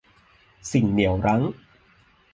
สิ่งเหนี่ยวรั้ง